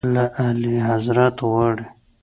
له اعلیحضرت غواړي.